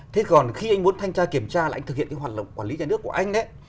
thế còn khi anh muốn thanh tra kiểm tra là anh thực hiện cái hoạt động quản lý nhà nước của anh ấy